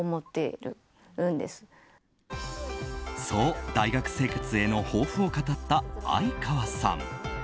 そう、大学生活への抱負を語った相川さん。